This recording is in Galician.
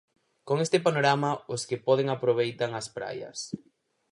Con este panorama, os que poden aproveitan as praias.